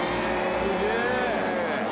すげえ。